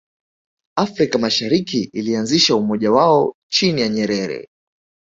afrika mashariki ilianzisha umoja wao chini ya nyerere